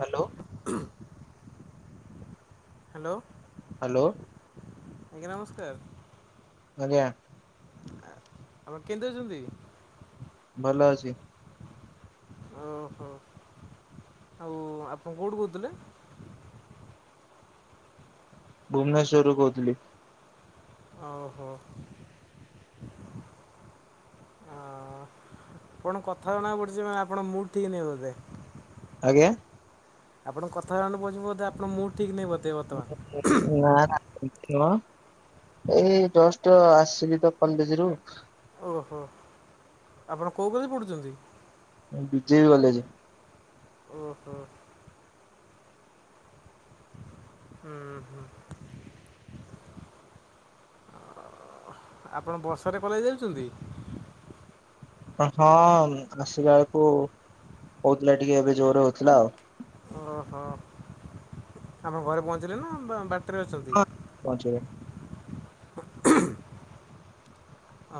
Hello hello. Hello. [unintelligible] ଆଜ୍ଞା। ଆପଣ କେମିତି ଅଛନ୍ତି? ଭଲ ଅଛି। ଓହୋ ଆଉ ଆପଣ କୋଉଠୁ କହୁଥିଲେ? ଭୁବନେଶ୍ୱରରୁୁ କହୁଥିଲି। ଓ ହୋ [inaudible] ହଁ ଆପଣ କଥା ଜଣାକୁ ପଡ଼ୁଛି ମନେ ଆପଣଙ୍କ ମୁଡ ଠିକ୍ ନାହିଁ ବୋଧେ। ଆଜ୍ଞା? ଆପଣ କଥାରୁ ଜଣା ପଡ଼ୁଚି ବୋଧେ ଆପଣ ମୁଁ ଠିକ ନାହିଁ ବୋ ନା। ଏଇ ଜଷ୍ଟ ଆସିଲି ତ କଲେଜରୁ। ଓ ହୋ ଆପଣ କୋଉ କେଲେଜରେ ପଡ଼ୁଛନ୍ତି? B J P college. ଓ ହୋ। ହୁଁ ହୁଁ [inaudible] ଆପଣ ବର୍ଷାରେ କଲେଜ ଜାଉଛନ୍ତି? ହଁ ଆସିଲା ବେଳକୁ କୋଉଥିଲା ଟିକେ ଏବେ ଜୋରରେ ହଉଥିଲା ଆଉ। ଓ ହୋ। ଆମ ଘରେ ପହଞ୍ଚିଲେ ନା ବା ଅଛନ୍ତି? ହଁ ପହଞ୍ଚିବ।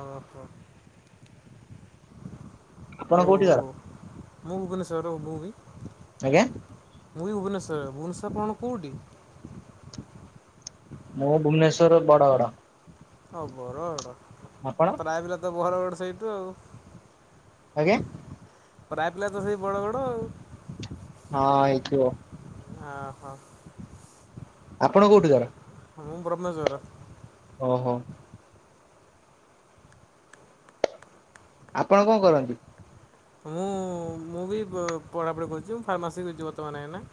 ଓହୋ। ଆପଣ ଆଉ କୋଉଠିକାର ମୁଁ କୁ କନି ସର ମୁଁ ବି। ଆଜ୍ଞା। ମୁଁ ବି ଭୁବନେଶ୍ୱର ଭୁବନେଶ୍ୱର ଆପଣଙ୍କ ଘର କୋଉଠି? ମୁଁ ଭୁବନେଶ୍ଵର ବଡଗଡ। ହଉ ବରଗଡ ଆପଣ? ପ୍ରାୟ ପିଲା ତ ବର ଗଡ ସେଇଠୁ ଆଉ ଆଜ୍ଞା? ପ୍ରାୟ ପିଲା ତ ସେ ବଡ଼ଗଡ। ହଁ ହେଇଥିବ। ଓହୋ। ଆପଣ କୋଉଠିକାର? [unintelligible] ଓହୋ। ଆପଣ କଣ କରନ୍ତି? ମୁଁ ମୁଁ ବି ପଢ଼ାପଢ଼ି କରୁଛି ଫାର୍ମାସି କଛି ବର୍ତ୍ତମାନ ଏଇନା।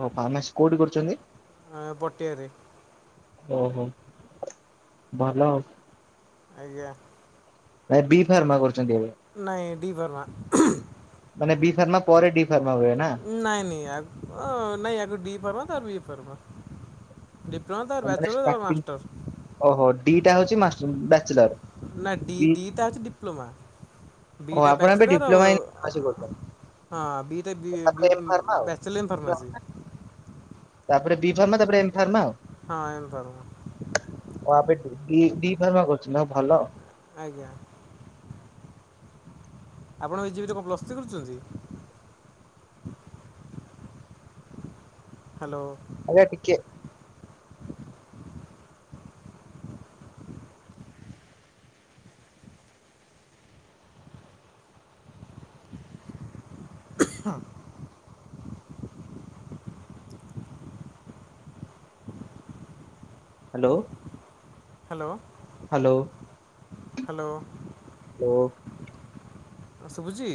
ଓ ଫାର୍ମାସି କୋଉଠି କରୁଛନ୍ତି? ପଟିଆରେ। ଓହୋ ଭଲ। ଆଜ୍ଞା ନାଇ ବି ଫାର୍ମା କରୁଛନ୍ତି ଏବେ। ନାଇଁ ଡି ଫାର୍ମ। ମାନ ବି ଫାର୍ମା ପରେ ଡି ଫେମା। ନାଇଁ ନାଇଁ ନାଇଁ ଡି ପର୍ ବି ପ। ଡିପ୍ଲୋମା ତ ବ୍ୟାଚଲର ତ ମାଷ୍ଟର। ଦିଟା ହଉଛି ବ୍ୟାଚଲର। ନା ଡି ବି ଡି ତା ଅଛି ଡିପ୍ଲୋମା। ଓ ବଟା ଆପଣ ଏବେ ବ୍ୟାଚୁଲର ଡିପ୍ଲୋମା ଆଉ ଇନ ଫାର୍ମାସୀ କରୁଛନ୍ତି ହଁ ତାପରେ ଏମ୍ ଫାର୍ମା ଆଉ ବଚଲର୍ ଇନ୍ ଫାର୍ମାେସି। ତାପରେ ବି ଫାର୍ମା ତାପରେ ଏମ ଫାର୍ମା ଆଉ। ହଁ ଏମପାରୁ। ହ ଆପ ଦି ଦି ଫାରମା କରୁଛନ୍ତି ଭଲ। ଆଜ୍ଞା। ଆପଣ ଏ ଯିବିଟ କଣପ୍ଲସ୍ତି କରୁଛନ୍ତି? ହ୍ୟାଲୋ। ଆଗା ଟିକେ। Hello. Hello hello. Hello. Hello. ଶୁଭୁଛିି?